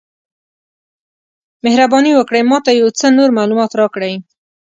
مهرباني وکړئ ما ته یو څه نور معلومات راکړئ؟